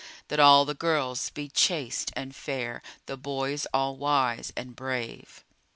That all the girls be chaste and fair, The boys all wise and brave.